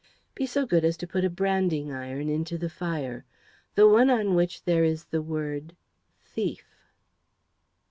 "Be so good as to put a branding iron into the fire, the one on which there is the word 'thief.'"